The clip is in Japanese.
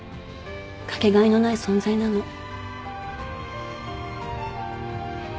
かけがえのない存在なの。